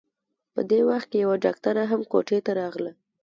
په دې وخت کې يوه ډاکټره هم کوټې ته راغله.